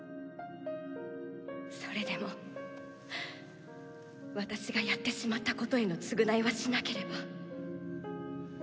それでも私がやってしまったことへの償いはしなければ。